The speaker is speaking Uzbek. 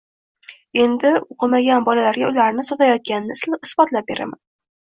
Endi o`qimagan bolalarga ularni sotayotganini isbotlab beraman